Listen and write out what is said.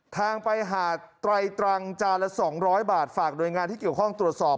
ทางไปหาดไตรตรังจานละ๒๐๐บาทฝากหน่วยงานที่เกี่ยวข้องตรวจสอบ